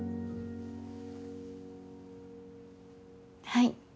はい。